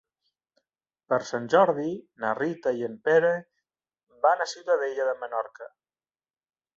Per Sant Jordi na Rita i en Pere van a Ciutadella de Menorca.